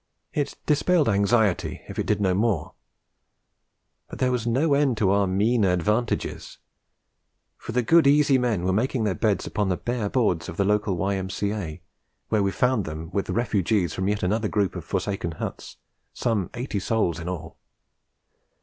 It dispelled anxiety, if it did no more. But there was no end to our mean advantages; for the good easy men were making their beds upon the bare boards of the local Y.M.C.A., where we found them with the refugees from yet another group of forsaken huts, some eighty souls in all.